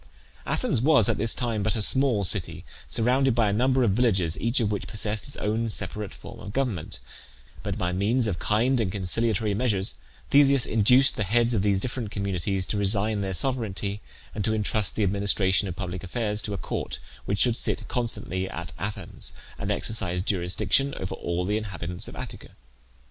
Athens was at this time but a small city surrounded by a number of villages, each of which possessed its own separate form of government; but by means of kind and conciliatory measures Theseus induced the heads of these different communities to resign their sovereignty, and to intrust the administration of public affairs to a court which should sit constantly at Athens, and exercise jurisdiction over all the inhabitants of Attica.